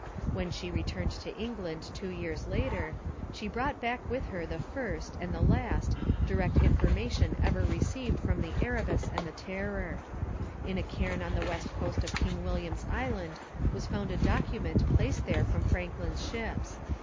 When she returned to England two years later she brought back with her the first, and the last, direct information ever received from the Erebus and the Terror. In a cairn on the west coast of King William's Island was found a document placed there from Franklin's ships.